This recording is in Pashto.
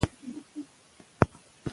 که ټیپ وي نو نقشه نه راویځیږي.